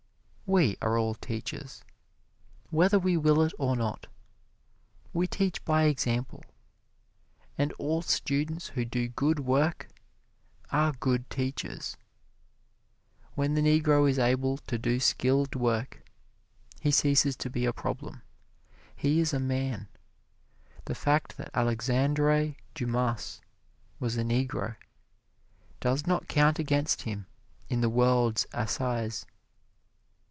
We are all teachers, whether we will it or not we teach by example, and all students who do good work are good teachers. When the Negro is able to do skilled work, he ceases to be a problem he is a man. The fact that Alexandre Dumas was a Negro does not count against him in the world's assize.